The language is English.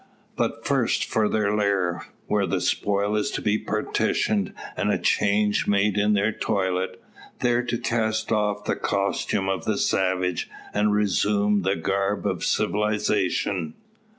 But first for their lair, where the spoil is to be partitioned, and a change made in their toilet; there to cast off the costume of the savage, and resume the garb of civilisation.